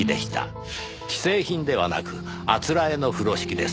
既製品ではなくあつらえの風呂敷です。